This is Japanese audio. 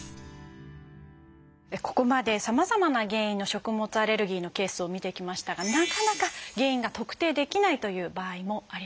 ここまでさまざまな原因の食物アレルギーのケースを見てきましたがなかなか原因が特定できないという場合もあります。